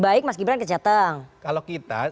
baik mas gibran ke cateng kalau kita